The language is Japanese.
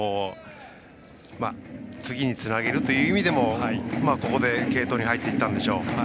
次につなげるという意味でもここで継投に入っていったんでしょう。